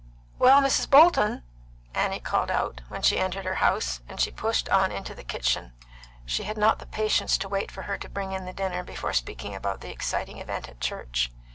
"Well, Mrs. Bolton!" Annie called out, when she entered her house, and she pushed on into the kitchen; she had not the patience to wait for her to bring in the dinner before speaking about the exciting event at church.